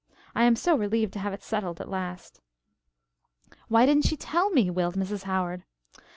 "I am so relieved to have it settled at last." "Why didn't she tell me?" wailed Mrs. Howard.